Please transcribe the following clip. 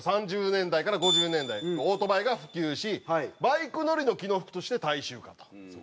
３０年代から５０年代オートバイが普及しバイク乗りの機能服として大衆化と。